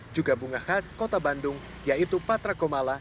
juga bunga khas kota bandung yaitu patra komala